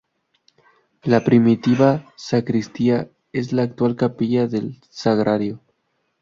La primitiva sacristía es la actual capilla del Sagrario.